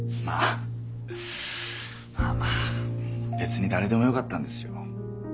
まぁまぁ別に誰でもよかったんですよ。